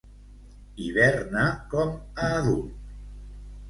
Hiberna com a adult.